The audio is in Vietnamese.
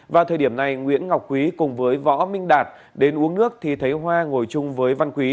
vào thời điểm này nguyễn ngọc quý cùng với võ minh đạt đến uống nước thì thấy hoa ngồi chung với văn quý